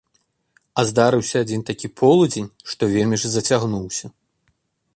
А здарыўся адзін такі полудзень, што вельмі ж зацягнуўся.